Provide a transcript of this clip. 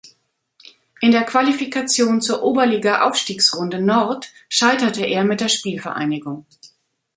In der Qualifikation zur Oberliga-Aufstiegsrunde Nord scheiterte er mit der Spielvereinigung.